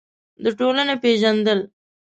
د ټولنې پېژندل: